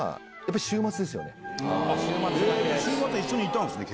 週末は一緒にいたんですね。